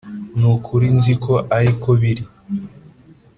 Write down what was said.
“ni ukuri nzi ko ari ko biri,